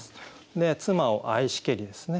で「妻を愛しけり」ですね